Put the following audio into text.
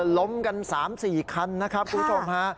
ล้มกัน๓๔คันนะครับคุณผู้ชมฮะ